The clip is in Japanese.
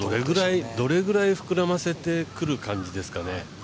どれぐらい膨らませてくる感じですかね。